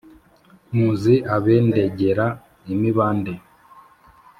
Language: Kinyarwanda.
Muzi abendegera imibande